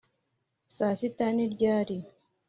saa sita ni ryari?